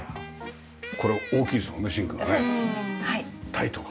タイとか？